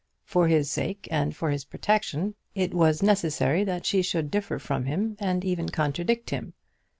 For his sake, and for his protection, it was necessary that she should differ from him, and even contradict him.